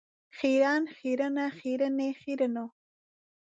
خیرن، خیرنه ،خیرنې ، خیرنو .